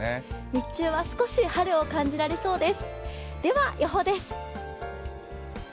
日中は少し春を感じられそうです。